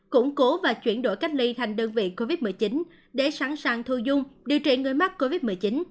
củng cố và chuyển đổi cách ly thành đơn vị covid một mươi chín để sẵn sàng thu dung điều trị người mắc covid một mươi chín